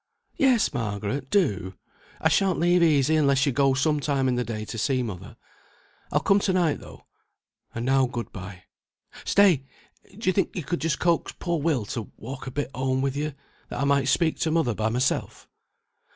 "Yes, Margaret, do! I shan't leave easy unless you go some time in the day to see mother. I'll come to night, though; and now good bye. Stay! do you think you could just coax poor Will to walk a bit home with you, that I might speak to mother by myself?"